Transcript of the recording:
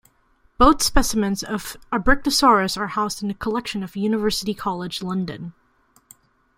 Both specimens of "Abrictosaurus" are housed in the collection of University College London.